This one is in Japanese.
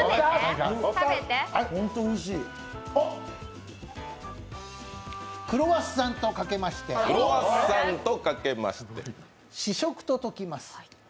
あっ、クロワッサンとかけまして、試食と解きます。